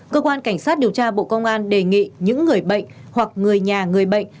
cơ quan cảnh sát điều tra bộ công an đề nghị những người bệnh hoặc người nhà người bệnh